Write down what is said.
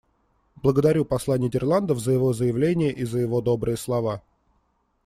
Благодарю посла Нидерландов за его заявление и за его добрые слова.